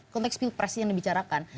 konteks pilpres yang dibicarakan